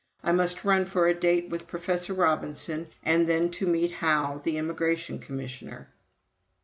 ... I must run for a date with Professor Robinson and then to meet Howe, the Immigration Commissioner."